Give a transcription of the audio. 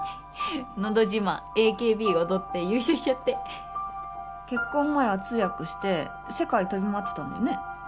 のど自慢ＡＫＢ踊って優勝しちゃって結婚前は通訳して世界飛び回ってたんだよね？